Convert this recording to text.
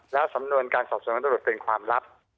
แล้วสำนวนการสอบบัตรโดยเป็นความลับ